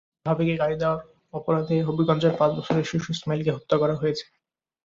ভাবিকে গালি দেওয়ার অপরাধে হবিগঞ্জের পাঁচ বছরের শিশু ইসমাইলকে হত্যা করা হয়েছে।